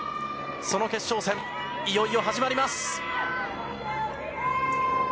その決勝戦、いよいよ始まります。